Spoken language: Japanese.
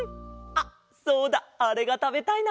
あっそうだあれがたべたいな。